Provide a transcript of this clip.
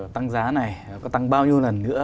tăng giá này có tăng bao nhiêu lần nữa